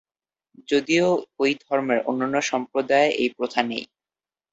যদিও এই ধর্মের অন্যান্য সম্প্রদায়ে এই প্রথা নেই।